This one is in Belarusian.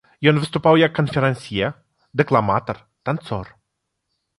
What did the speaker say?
Ён выступаў як канферансье, дэкламатар, танцор.